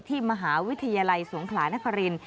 ที่มหาวิทยาลัยสงขลานคริน